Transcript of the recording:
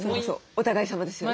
お互いさまですよね。